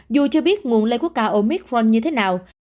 dù chưa biết nguồn lây quốc ca omicron như thế nào